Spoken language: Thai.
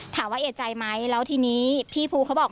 เอกใจไหมแล้วทีนี้พี่ภูเขาบอก